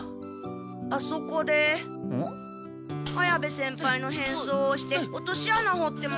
あそこで綾部先輩の変装をしておとし穴ほってます。